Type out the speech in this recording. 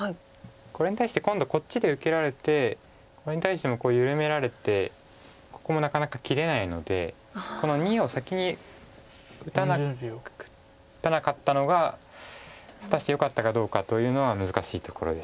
これに対して今度こっちで受けられてこれに対しても緩められてここもなかなか切れないのでこの②を先に打たなかったのが果たしてよかったかどうかというのは難しいところです。